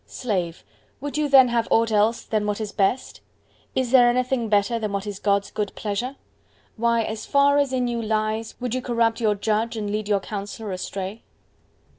Slave, would you then have aught else then what is best? is there anything better than what is God's good pleasure? Why, as far as in you lies, would you corrupt your Judge, and lead your Counsellor astray?